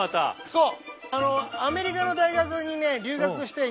そう。